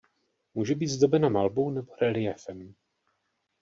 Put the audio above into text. Může být zdobena malbou nebo reliéfem.